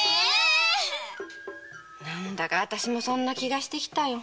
何だか私もそんな気がして来たよ。